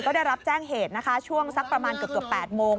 ก็ได้รับแจ้งเหตุนะคะช่วงสักประมาณเกือบ๘โมง